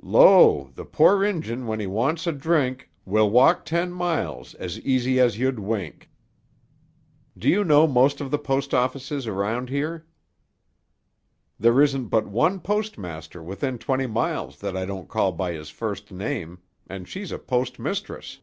"'Lo! the poor Injun when he wants a drink Will walk ten miles as easy as you'd wink.'" "Do you know most of the post offices around here?" "There isn't but one postmaster within twenty miles that I don't call by his first name, and she's a postmistress."